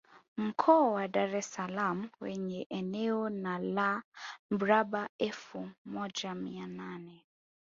Mkoa wa Dar es Salaam wenye eneo na la mraba efu moja mia nane